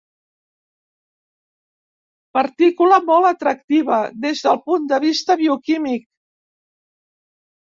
Partícula molt atractiva des del punt de vista bioquímic.